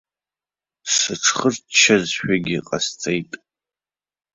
Сыҽхырччазшәагьы ҟасҵеит.